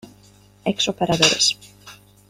Ex operadores